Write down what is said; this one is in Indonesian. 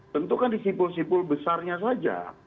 tentu kan disipul sipul besarnya saja